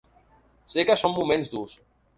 Sé que són moments durs.